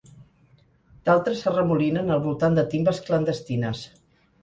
D'altres s'arremolinen al voltant de timbes clandestines.